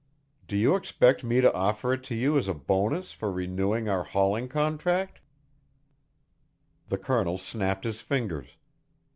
"Do you expect me to offer it to you as a bonus for renewing our hauling contract?" The Colonel snapped his fingers.